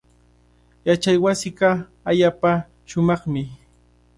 Yachaywasiiqa allaapa shumaqmi.